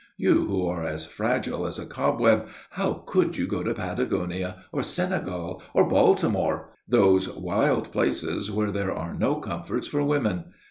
You, who are as fragile as a cobweb, how could you go to Patagonia or Senegal or Baltimore, those wild places where there are no comforts for women?